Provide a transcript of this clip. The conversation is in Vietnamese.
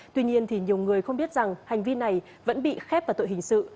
tuy nhiên thì nhiều người không biết rằng hành vi này vẫn bị khép vào tội hình sự